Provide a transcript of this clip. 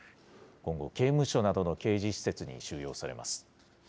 今後、刑務所などの刑事施設に収容されます。